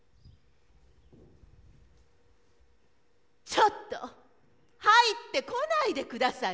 ちょっと入ってこないで下さる？